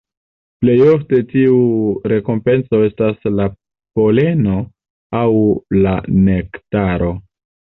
Plej ofte tiu rekompenco estas la poleno aŭ la nektaro.